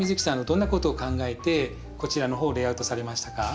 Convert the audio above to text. どんなことを考えてこちらの方レイアウトされましたか？